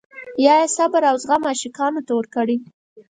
یا یې صبر او زغم عاشقانو ته ورکړی.